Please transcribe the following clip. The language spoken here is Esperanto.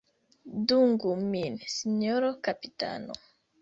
Dungu min sinjoro kapitano!